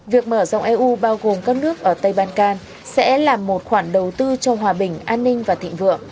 việc mở rộng eu bao gồm các nước ở tây ban can sẽ là một khoản đầu tư cho hòa bình an ninh và thịnh vượng